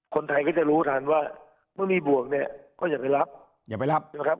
คนไทยก็จะรู้ทันว่าเมื่อมีบวกเนี่ยก็อย่าไปรับ